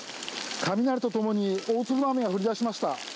雷とともに大粒の雨が降り出しました。